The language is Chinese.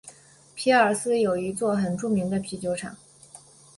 皮尔斯有一座很著名的啤酒厂。